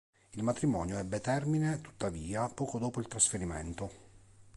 Il matrimonio ebbe termine tuttavia poco dopo il trasferimento.